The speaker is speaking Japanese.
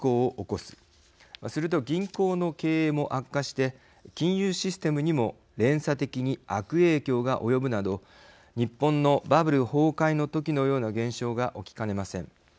すると銀行の経営も悪化して金融システムにも連鎖的に悪影響が及ぶなど日本のバブル崩壊の時のような現象が起きかねません。